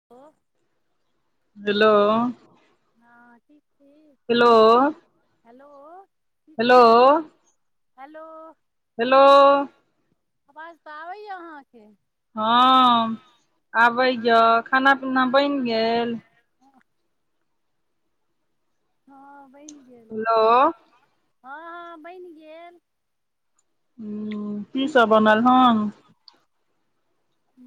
[inaudible] दिलो, हँ ठीक छी हेलो। हेलो। ठीक हेलो। छी हेलो। हेलो। आवाज तऽ आबैया अहाँके। हँ हँ आबैया खाना पीना बनि गेल। हँ बनि गेल हेलो हँ हँ बनि गेल हुं कीसभ बनल हन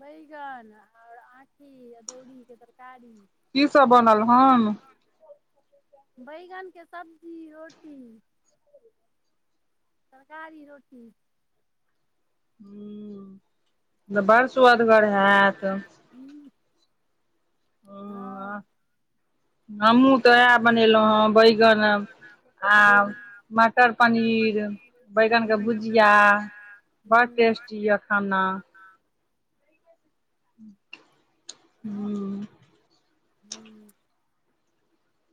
बैगन आओर आँठी अदौड़ीके तरकारी की सब बनल हन। बैगनके सब्जी रोटी। तरकारी रोटी। त बड़ स्वदगर हेयत। हूं। हँ। हमहूँ तऽ उएह बनेलहुँ हेँ बैगन आ मटर पनीर बैगनक‌अ हूँ भुजिया बड़ हूँ टेस्टी ये खाना। हँ हूं। हूँ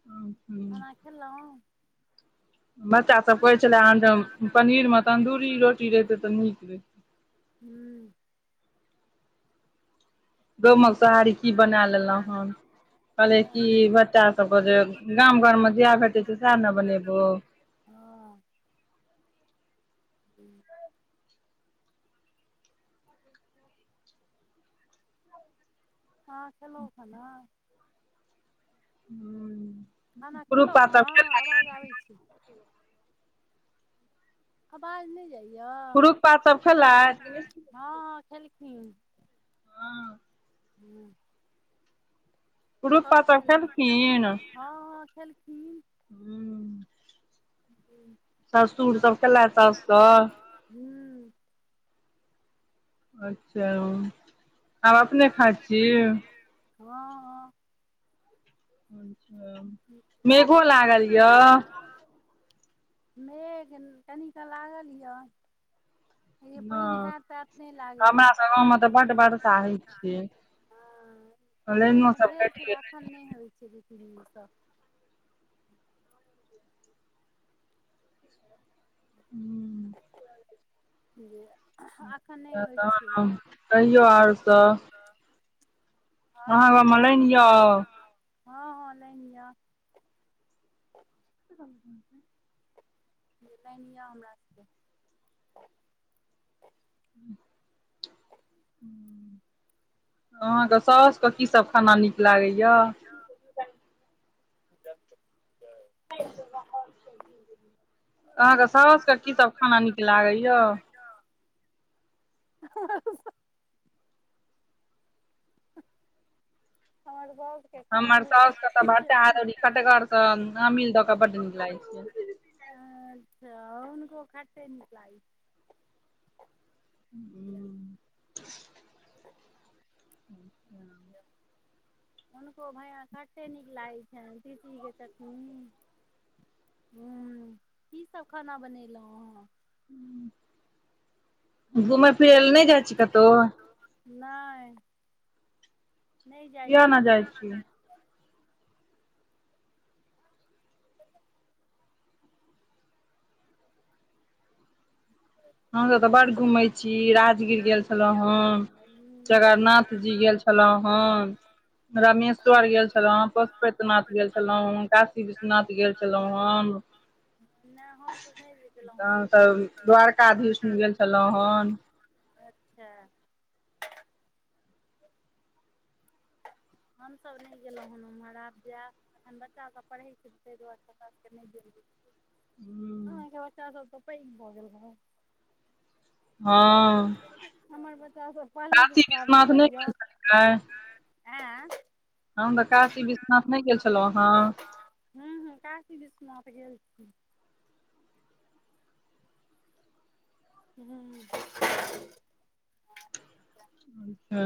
हं। आहां खेलौ। बच्चा सब कहे छला हन जे पनीर में तन्दूरी रोटी रहतै तऽ नीक रहे हूँ। गहूमक सोहारी की बना लेलहुँ हन। कहलिए की बच्चा सबके जे गाम घरमे जेहा भेटे छै सएह ने बनेबो। हँ। हं। अहां खेलहुँ खाना। खाना कुरुख खेलहुँ -पात सब अहाँ आवाज खेलैन आबै छै आवाज नहि जाइ पुरुख पात सब खेलैत कि हँ हॅं खेलखिन। हँ हूँ। पुरुख पात सब खेलखिन। हँ हँ खेलकीन। हूं। हुं। ससुर सब खेलैत सोस सब हूँ। अच्छा आब अपने खाइ छि। हँ हँ। अच्छा मेघो लागल य मेघ कनिकऽ लागल य। हे यै पानि नय हाट ताठ नै हमरा लागैए। सब गाँवमे तऽ बड्ड वर्षा होइ छै हँ, लाइनो सब भेल कटि छलै, एखन गेलै नहि होइत छै दू तीन दिन सं। हुं। जे एखन नहि होइ छै त कहियौ आर सब। [inaudible] और सब गाँवमे लाइन यऽ ठीक हँ हं लाइन य। [inaudible] लाइन ये हमरा सबके। अहाँके साउस के कीसभ खाना नीक लागैए। जास्त जा [unintelligible] अहाँके साउसके की सब खाना नीक लागैये। आ [unintelligible] हमर बग [unintelligible] हमर साउस के तऽ भटा अदौरी खटगर से अमिल द के बड नीक लागै छै। अच्छा, हुनको खटे नीक लागै छै। हुं। हुनको भैया खटे नीक लागैत छनि, तीसीके चटनी। हुं, की सब खाना बनेलहुँ हं। घुमय फिरय ले नहि जाइ छी कतहु। नै, नै जाइ किया नहि छियै। जाइ छी ह [inaudible] हम सब ते बड घूमे छी, राजगीर गेल छलौं हं, जगरनाथ जी गेल छलौं छलहुं हन। रामेश्वर गेल छलहुँ हन, पशुपतिनाथ गेल छलहुँ हन, काशी विश्वनाथ गेल छलहुँ हन। नै हम तऽ नहि निकललहुं हेँ एखन। अभीष्म गेल छलौँ हन। अच्छा। हमसब नहि गेलहुँ हेन उमहर आब जायब। एखन बच्चा सभ पढ़ै छै ताहि दुआरे हमरा सबक नहि गेल भेल। हुं। हं त बच्चा सब त पैघ भऽ गेल हमर। हँ हमर बच्चासभ पहिले काशी दूसरामे विश्वनाथ नहि गेल पढैये। छलियै एं। हम तऽ काशी विश्वनाथ नै गेल छलौँं हँ। हुं हुं काशी विश्वनाथ गेल छी। हुं। अच्छा।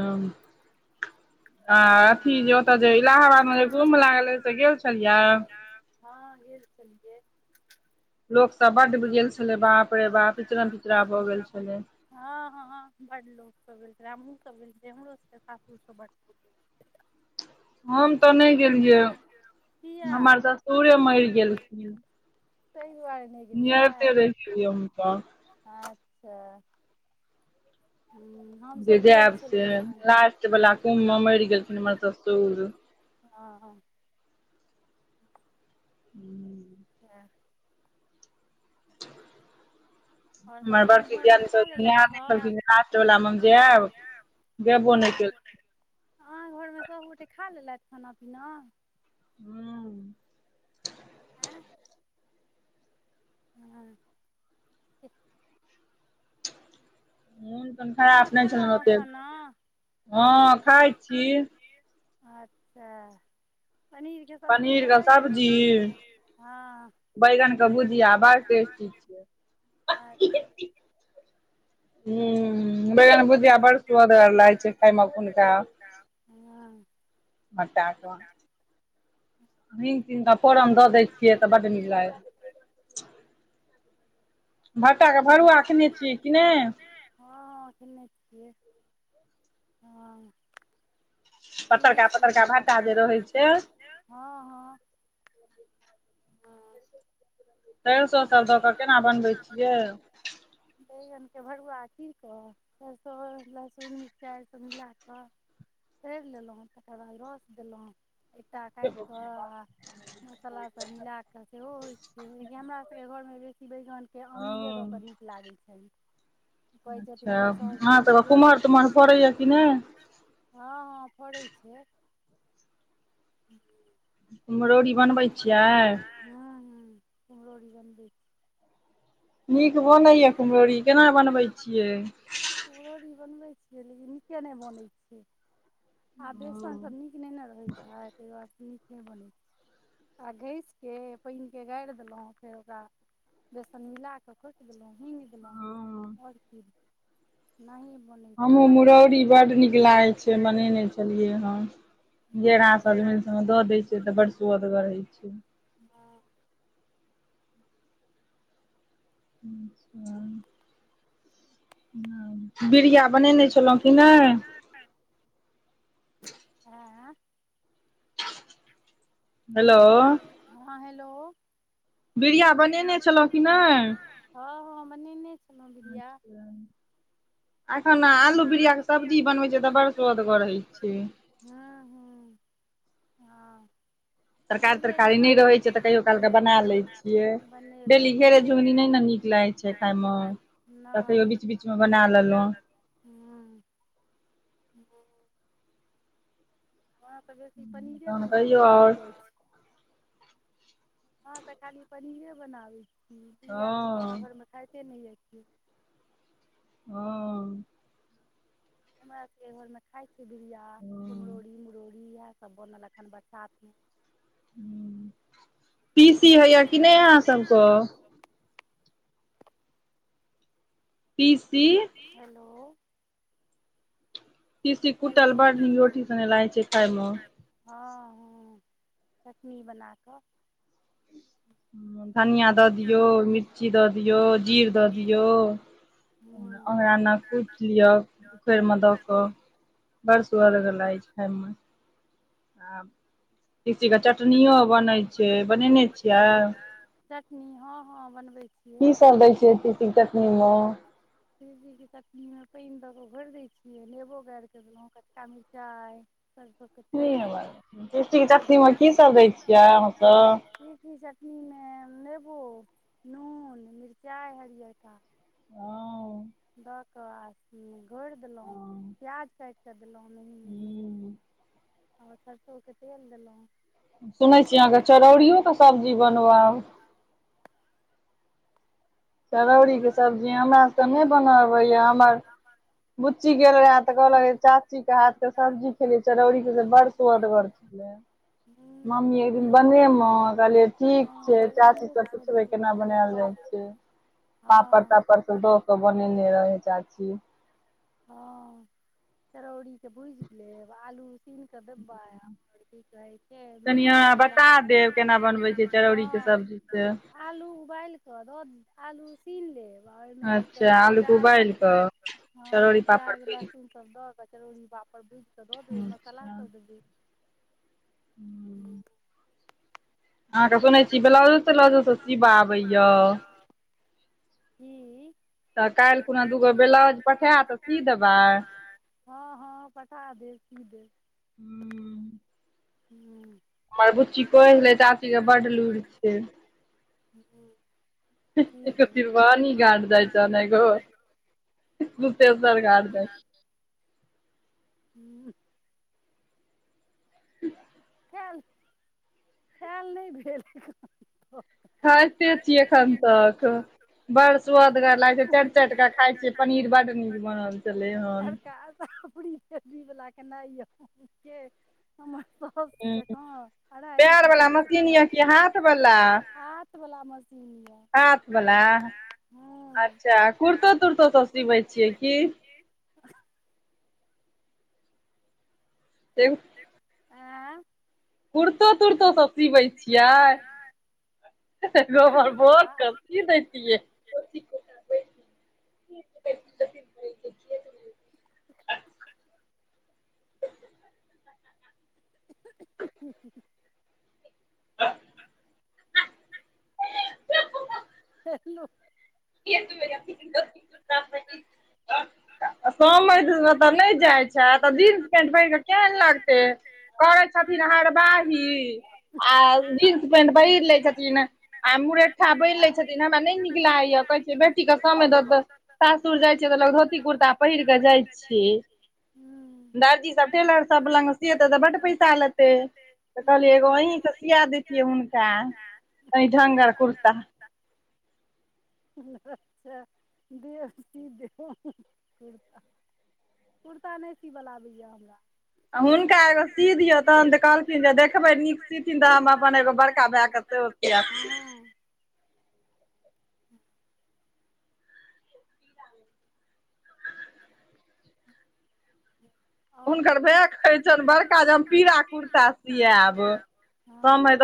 आ अथी जे ओतय जे इलाहाबादमे जे कुम्भ लागलै त गेल छलियै। हँ गेल छलियै। लोक बड्ड सब गेल बड छलै विचित्र छै बाप रे इचरा पिचरा भऽ गेल बाप छलै हँ हँ हं बड लो करबेलकै, हमहु सब करबेलियै, हमरो सब के सासुर मे बड हम तऽ छलै। नहि गेलियै, किया हमर ससुरे मरि गेलखिन। ताहि दुआरे नहि निहारिते गेलियै, रहि गेलियै हम तऽ अच्छा। हुं। जे जायब से लास्ट वला कुम्भ मे मरि गेलखिन हमर ससुर। हँ- हं [inaudible] हूंउ सैह आओर सब हमर अहाँ बड़की घरमे दियादनी सब खा लेलथि सब नियारने छलखिन, जे लास्टवला मे हम जेब। गेबो नय अहाँके केल अहाँ घर में सभ गोटे खा लेलथि खाना -पीना हूं नय मोन खराब अहाँ नहि छलेन खेलहुँ ओते, खाना हँऽ खाइ छी। अच्छा, पनीरके सब्जी पनीर तऽ वैहये पनीर के सब्जी सब्जी हंऽ बैगन के भुजिया बड़ टेस्टी छिय। हुंउ बैगन भुजिया बड़ सु्वदगर लगय छै खाय मे ऐखुनका। [unintelligible] हटे कऽ, हिंग तिंग के फोरन दऽ दै छिय तऽ बड नीक लागै भट्टा के भरुआ खेने छिय कि नहि। हँ -हँ खेने छिय हँ खेने पतरका छिय पतरका भटटा के भट्टा जे भरूआ रहै छै रहय छय हँ -हँ हंऽ सरिसों सब दऽ कऽ केना बनबै छिय। बैगनके भरुआ की कहऽ सरसो लसुन मिरचाई सब मिलाक तरि लेलहुँ, तकर बाद रस देलहुँ एकटा काटि कऽ आ मसाला सब मिला क सेहो होय छै। हमरा सबके घरमे बेसी बैगनके अमीले दऽ हँ कऽ नीक लागय छनि। कहै छथिन अच्छा हमर साउस अहाँ जे सबके बैगन कुम्हर हँ तुम्हर फड़ैया कि नै -हँ फड़ै छै। कुम्हरौरी बनबय कुम्हरौरी बनबै छीय छियै हंऽ- हंऽ, कुम्हरोरी बनबय नीक बनैया कुम्हरौरी, केना बनबय छिय। कुम्हरोरी बनबै छिय, लेकिन नीके नहि बनय छय। आब बेसन सब नीक नहि न रहय छै, ताहि दुआरे नीक नहि बनय आ घसि कऽ पानिकेँ गारि देलहुँ, फेर ओकरा बेसन मिला कऽ खोट देलहु हींग देलहु हँ और की, ऐना ही बनय हमहु मुरौरी बड नीक लागे छै, बनेने छलिय हन, घेरा सजमेन सब में द देय छिय तऽ, बड़ सुउदगर होय छै। हं [inaudible] [unintelligible] बिड़िया बनेने छलहुँं की नहि। हँ हेलो हँ हेलो बिड़िया बिरिया छलहुँ बनेने छलौह कि नहि नेय। हँ- हँ बनेने छलौं बिरिया। अच्छा एखन आलू बिरिया के सब्जी बनबय छिय तऽ बर सु्वदगर होय छै। हँ -हँ हँऽ तरकारी पहिले तरकारी जेका, नहि रहै टाइम नै तऽ रहे छै जखन कालके कहियो काल के लै बना लेय छियै, डेली बनेलक घेरे बना झुगनी नहि ने नीक लागै छै खायमे तऽ कहियो बीच देवकी बीचमे बना लेलहुँ नैय [unintelligible] हां अहाँ त बेसी पनीरे तहन कहियो बनाबै छियै, आओर कही यौ और अहाॅं त खाली पनीरे बनाबै छी, भुजीया सब त अहाँ हँ घरमे खाइते नै यै कियौ। हां हमरा सबर के घर मे खाय छै, भुजीया हँ कुम्हरौरी रो भुजिया सब बनल अखन बरसात में हँ। होइया तीसी कि होइ नहि य अहाँ की नै अहाॅं सबके तीसी, हेलो। तीसी हेलो कुटल बड्ड नीक रोटी सगे लागैय छैय, खाय मे हां हां चटनी बनाके हां धनिया दऽ दियौ मिर्ची दऽ दियौ जीर दऽ दियौ। हूँ ओकरा ऐना कुटि लिओ उखरिमे दऽ कऽ। बड़ सुवदगर लागै छै, खायमे आ तीसी के चटनियो बनैय छैय, बनेने छि बनबै छियै, चटनी हां हां बनबै छियै। तैय दै छियै, तीसी के चटनी मे तीसीके चटनीमे पइन दऽ कऽ घोरि दैय छियै, नेबो गरि कऽ देलहुँ कच्चका मिर्चाई सरसो के तेल तीसीके द चटनीमे कऽ तीसी के चटनी में की सब छियै दै अहाँसभ छियै। तीसी चटनीमे नेेबो, नून, मिरचाइ हरियरका हां दऽ कऽ आ घोरि देलहुँ हुँ प्याज काट क देलहुँ मेही आ सरसोके तेल देलऊ। सुनै छियै, अहाँके चरौरियोके सब्जी बनब आ चरौड़ी के सब्जी हमरा सब के नै बनाबे य हमर बुच्ची गेल रहेए तऽ कहलक चाची के हाथ के सब्जी खेलियै चरौरी के से बड़ सुदगर छले। हूँ मम्मी एकदिन बनेमे कहलियै ठीक हँ छैय, चाची से चरौड़ियोके सब्जी पुछबै केना बनाबै बनायल जाइ छै। हँ पापड़-तापड़ सब दऽ क बनेने रहैय चाची। हां चरौड़ीके भुइज लेब आलू तील के डिब्बा और की कहै छै प्याज, कनि लहसुन अहाँ किआ बता देब केना बनबय छै चरौड़ी। जा आलू उबायलक रौद आलू सीन लेब आ ओहिमे की अच्छा कहैय छै, आलूके प्याज उबालि लह कऽ हां चरौड़ी पापड़ प्याज भुजि लहसुन सब द कऽ चरौड़ी पापड़ भुइज त देबे मसाला अच्छा सब देबे, हां। हूँ अहाँके सुनैय छी ब्लाउजो-त्लाउजो सब सिबा आबैया। हूॅं तऽ काल्हि त काइल दूगो खुना दुगो ब्लाउज पठायत तऽ पठा देब देबै सी देबय हां हां। हां पठा देब सी देब। हूं हूॅं हमर बुच्ची कहय हले चाची के बड्ड लुइर छैय। हूॅं एक तिरवानी घाट जाइ छन एगो कुशेषर घाट जाइ उंह उम् चल खैल नै भेल [unintelligible] खायते छी एखन तक बड़ सुअदगर लागै छै चाइट चाइट क खाय छी। पनीर बड नीक बनल छलै हन तरका [unintelligible] बला खेनाइ य, के हमर पप्प दोस्त हूँ जकां अढाइ पैर घण्टा वाला स मशीन खाय यऽ छी, पैर वाला मशीन यै कि हाथ बला, हाथ बला बला मशीन य। हाथ बला अच्छा कुर्तो तुरतो सिबै छियै की? अंह [unintelligible] एं कुर्तो तुरतो सब सिबै छियै, आहिरौबा कुर्ता बऽर के की दैतियै? [inaudible] [unintelligible] [inaudible] हैलो [unintelligible] समइध अत्त नै जाइ छैं तऽ जीन्स पेंट पहिर कऽ केहन लागतै? करै छथिन हरबाही आ जींस पेंट पहिर लै छथिन आ मुरेठा बाइन्ह लै छथिन हमरा नै निक लागै कहै छ बेटी क समैध ओत सासुर जाइ छै तऽ लोग धोती कुर्ता पहिर क जाइ छियै। हूँ दर्जी सब टेलर सब लंग सीयेतै तऽ बड पैसा लेतै। तऽ कहलियै एगो हूँ अहीं स सिया देतियै हुनका अच्छा कनी ढ़ंगर कुर्ता अच्छा दीय सी देब हम कुर्ता कुर्ता नै सीब लै आबैयै हमरा आ हुनका एगो सी दियौ तहन तऽ कहलखिन जे देखबै नीक सीथिन तऽ हम अपन एगो बड़का भैय के सेहो [unintelligible] हँ [inaudible] [inaudible] हुनकर ठीक भैय कहइ छैन बड़का जे हम पीरा कुर्ता सियैब हँ समैध